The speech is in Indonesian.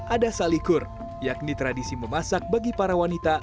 ada salikur yakni tradisi memasak bagi para wanita